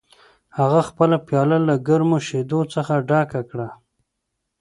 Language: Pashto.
هغه خپله پیاله له ګرمو شیدو څخه ډکه کړه